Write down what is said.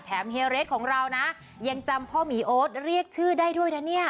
เฮียเรทของเรานะยังจำพ่อหมีโอ๊ตเรียกชื่อได้ด้วยนะเนี่ย